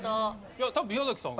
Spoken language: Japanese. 多分宮崎さん。